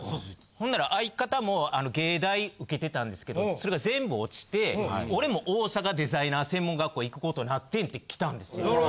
ほんなら相方も芸大受けてたんですけどそれが全部落ちて「俺も大阪デザイナー専門学校行くことなってん」ってきたんですよ。